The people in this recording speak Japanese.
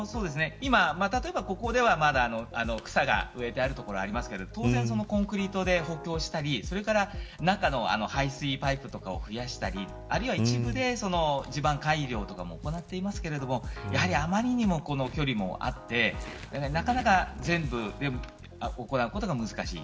ここではまだ草が植えられている所がありますが当然コンクリートで補強したり中の排水パイプを増やしたりあるいは一部で地盤改良も行ってはいますがあまりにも距離があってなかなか全部行うことが難しい。